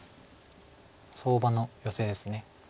相場のヨセです。